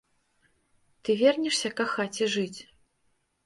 Ты вернешся кахаць і жыць?